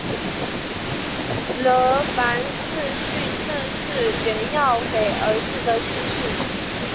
了凡四训正是袁要给儿子的训示。